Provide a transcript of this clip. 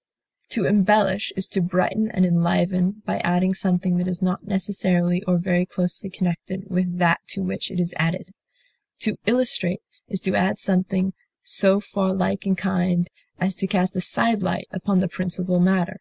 deck, To embellish is to brighten and enliven by adding something that is not necessarily or very closely connected with that to which it is added; to illustrate is to add something so far like in kind as to cast a side light upon the principal matter.